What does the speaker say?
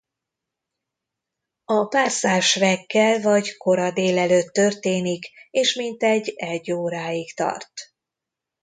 A párzás reggel vagy kora délelőtt történik és mintegy egy óráig tart.